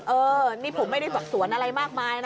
เออนี่ผมไม่ได้แบบสวนอะไรมากมายนะ